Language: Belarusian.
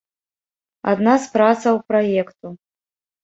Адна з працаў праекту.